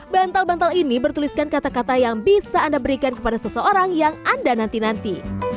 bantal bantal ini bertuliskan kata kata yang bisa anda berikan kepada seseorang yang anda nanti nanti